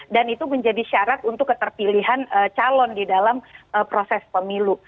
dan itu menjadi syarat untuk keterpilihan calon di dalam proses pemilu